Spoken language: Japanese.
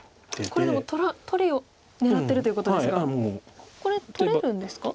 これでも取りを狙ってるということですがこれ取れるんですか？